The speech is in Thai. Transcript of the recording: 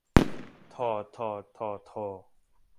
ทอ ฑอ ฒอ ธอ